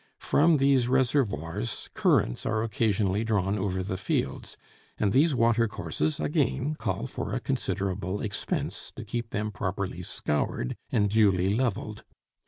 From these reservoirs currents are occasionally drawn over the fields, and these water courses again call for a considerable expense to keep them properly scoured and duly leveled.